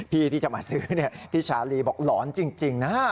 พี่ที่จะมาซื้อพี่ชาลีบอกหลอนจริงนะฮะ